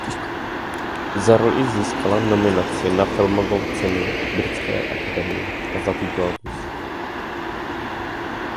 Za roli získala nominaci na Filmovou cenu Britské akademii a Zlatý glóbus.